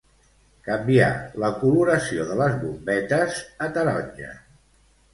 Canviar la coloració de les bombetes a taronja.